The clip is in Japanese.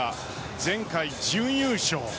前回、準優勝。